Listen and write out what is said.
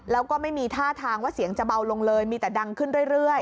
แล้วก็ไม่มีท่าทางว่าเสียงจะเบาลงเลยมีแต่ดังขึ้นเรื่อย